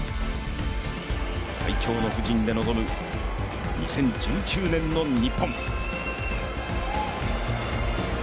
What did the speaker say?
最強の布陣で臨む２０１９年の日本。